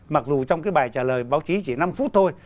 mặc dù trong cái bài trả lời báo chí chỉ năm phút thôi